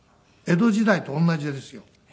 江戸時代と同じです。